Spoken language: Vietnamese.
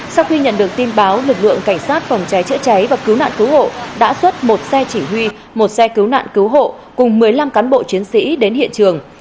sau khi nhận được tin báo lực lượng cảnh sát phòng cháy chữa cháy và cứu nạn cứu hộ đã xuất một xe chỉ huy một xe cứu nạn cứu hộ cùng một mươi năm cán bộ chiến sĩ đến hiện trường